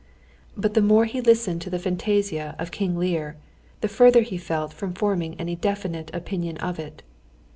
But the more he listened to the fantasia of King Lear the further he felt from forming any definite opinion of it.